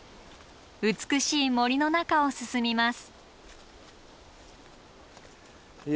美しい森の中を進みます。